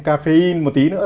caffeine một tí nữa